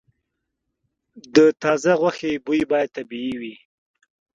د تازه غوښې بوی باید طبیعي وي.